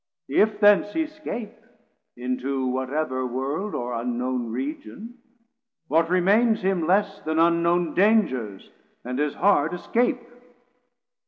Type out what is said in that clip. If thence he scape into what ever world, Or unknown Region, what remains him less Then unknown dangers and as hard escape.